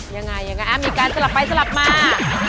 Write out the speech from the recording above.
ยังไงยังไงมีการสลับไปสลับมา